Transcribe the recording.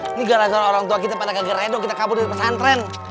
ini gara gara orang tua kita pada kegerai dong kita kabur dari pesantren